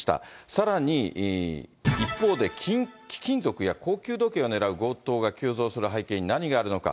さらに、一方で貴金属や高級時計を狙う強盗が急増する背景に何があるのか。